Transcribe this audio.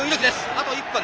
あと１分